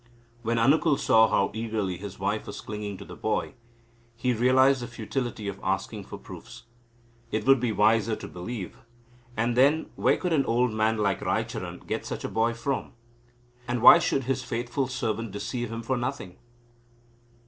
When Anukul saw how eagerly his wife was clinging to the boy, he realised the futility of asking for proofs. It would be wiser to believe. And then where could an old man like Raicharan get such a boy from? And why should his faithful servant deceive him for nothing?